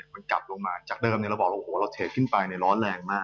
มันกลับลงมาจากเดิมเนี่ยเราบอกว่าโหเราเทรดขึ้นไปในร้อนแรงมาก